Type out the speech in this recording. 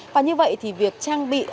và như vậy thì việc trang bị